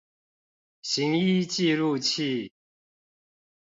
行醫記錄器